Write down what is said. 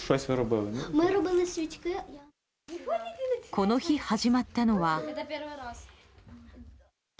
この日、始まったのは。